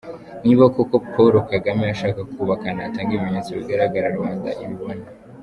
Niba koko Paul Kagame ashaka kubaka, natange ibimenyetso bigaragara rubanda ibibone.